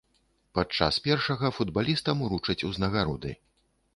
Падчас першага футбалістам уручаць узнагароды.